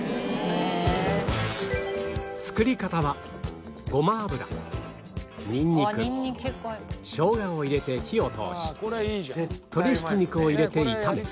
作り方はごま油ニンニクしょうがを入れて火を通し鶏ひき肉を入れて炒め